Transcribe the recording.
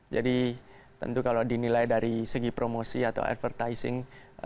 jadi tentu kalau dinilai dari segi promosi atau advertising